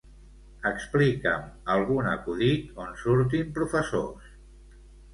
Explica'm algun acudit on surtin professors.